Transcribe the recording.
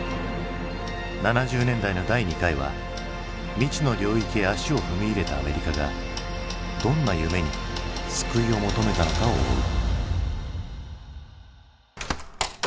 ７０年代の第２回は未知の領域へ足を踏み入れたアメリカがどんな夢に救いを求めたのかを追う。